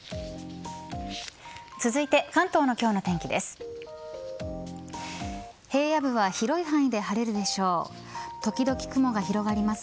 続いて、関東の今日の天気です。